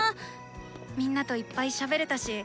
みんなといっぱいしゃべれたし。